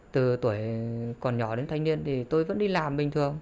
từ tuổi còn nhỏ đến thanh niên thì tôi vẫn đi làm bình thường